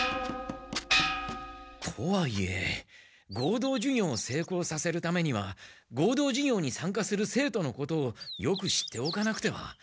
とはいえ合同授業をせいこうさせるためには合同授業にさんかする生徒のことをよく知っておかなくては。